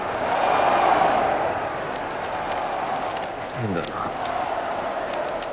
変だな。